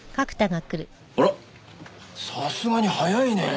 あらさすがに早いね。